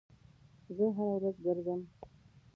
زه هر ورځ ګرځم